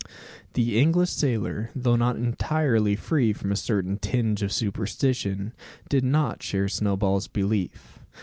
The English sailor, though not entirely free from a certain tinge of superstition, did not share Snowball's belief.